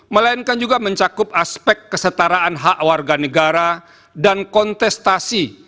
melainkan juga mencakup aspek kesetaraan hak warga negara dan kontestasi